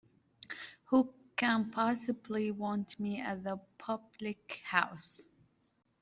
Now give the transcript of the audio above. Who can possibly want me at the public-house?